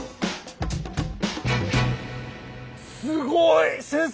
すごい！先生！